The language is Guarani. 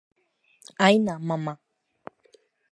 Áina mamá